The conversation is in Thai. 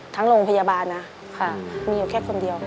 ทั้งโรงพยาบาลนะมีอยู่แค่คนเดียว